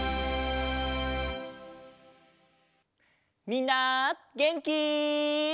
みんなげんき？